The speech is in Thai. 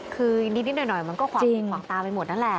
คือนิดนิดหน่อยมันก็ขวางตาไปหมดนั้นแหละ